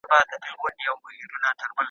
په شنو خالونو باندې اوښکې روانې وې.